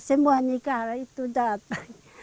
semua negara itu datang